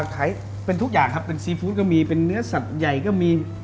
ขายเป็นทุกอย่างครับเป็นซีฟู้ดก็มีเป็นเนื้อสัตว์ใหญ่ก็มี